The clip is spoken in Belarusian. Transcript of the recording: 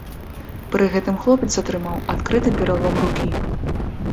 Пры гэтым хлопец атрымаў адкрыты пералом рукі.